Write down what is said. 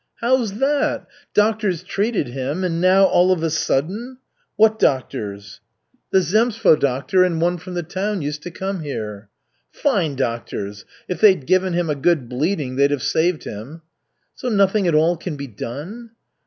"How's that? Doctors treated him and now all of a sudden " "What doctors?" "The zemstvo doctor and one from the town used to come here." "Fine doctors! If they'd given him a good bleeding, they'd have saved him." "So nothing at all can be done?"